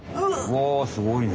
おすごいね。